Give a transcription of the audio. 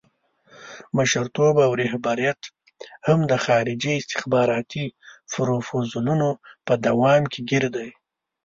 مشرتوب او رهبریت هم د خارجي استخباراتي پروفوزلونو په دام کې ګیر دی.